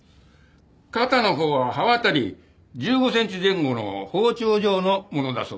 肩のほうは刃渡り１５センチ前後の包丁状のものだそうだ。